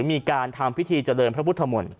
มีการทำพิธีเจริญพระพุทธมนตร์